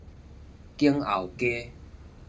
景後街